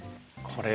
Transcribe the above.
これ。